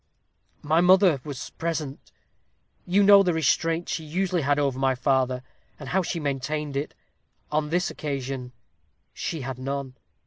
"My mother was present. You know the restraint she usually had over my father, and how she maintained it. On this occasion she had none.